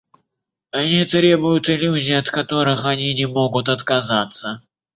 Они требуют иллюзий, от которых они не могут отказаться.